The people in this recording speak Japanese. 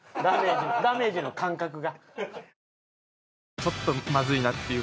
ダメージの感覚が。